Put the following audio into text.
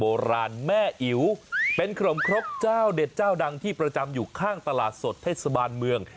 แม่อิ๋วเป็นขนมครกเจ้าเด็ดเจ้าดังที่ประจำอยู่ข้างตลาดสดเทศบาลเมือง